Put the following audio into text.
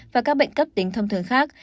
và các bệnh cấp tính thông thường khác